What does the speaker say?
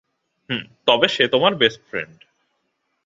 তবে সে তোমার বেস্ট ফ্রেন্ড।